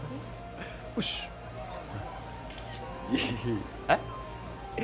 おしえっ？